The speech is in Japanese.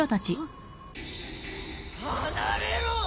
離れろ！